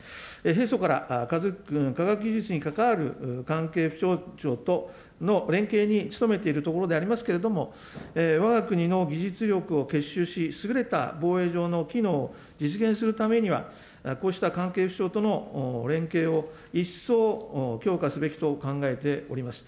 平素から科学技術に関わる関係省庁との連携に努めているところでありますけれども、わが国の技術力を結集し、優れた防衛上の機能を実現するためには、こうした関係府省との連携を一層強化すべきと考えております。